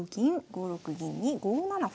５六銀に５七歩。